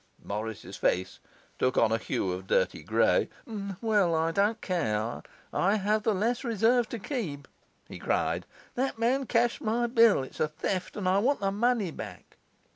Morris's face took on a hue of dirty grey. 'Well, I don't care; I have the less reserve to keep,' he cried. 'That man cashed my bill; it's a theft, and I want the money back.